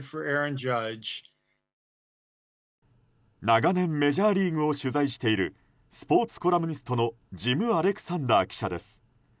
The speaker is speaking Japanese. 長年メジャーリーグを取材しているスポーツコラムニストのジム・アレクサンダー記者です。